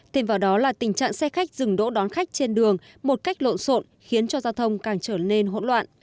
thêm vào đó là tình trạng xe khách dừng đỗ đón khách trên đường một cách lộn xộn khiến cho giao thông càng trở nên hỗn loạn